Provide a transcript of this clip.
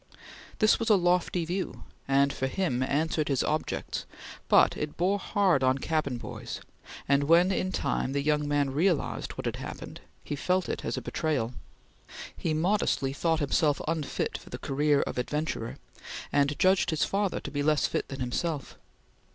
This was a lofty view, and for him answered his objects, but it bore hard on cabin boys, and when, in time, the young man realized what had happened, he felt it as a betrayal. He modestly thought himself unfit for the career of adventurer, and judged his father to be less fit than himself.